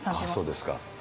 そうですか。